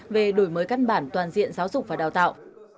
về đổi mới căn bản toàn diện giáo dục và đào tạo